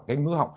cái ngứa học